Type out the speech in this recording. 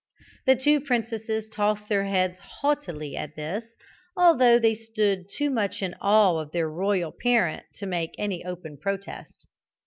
The two princesses tossed their heads haughtily at this, although they stood too much in awe of their royal parent to make any open protest.